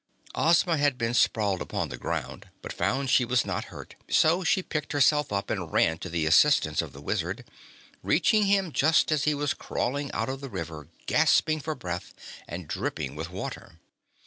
Ozma had been sprawled upon the ground but found she was not hurt, so she picked herself up and ran to the assistance of the Wizard, reaching him just as he was crawling out of the river, gasping for breath and dripping with water.